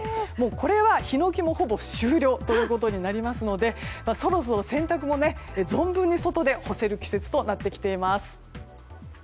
これはヒノキもほぼ終了となりますのでそろそろ洗濯も存分に外で干せる季節になってきています。